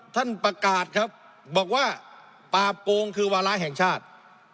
ท่านประกาศครับบอกว่าปราบโกงคือวาระแห่งชาติ